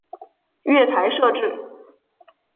月台设置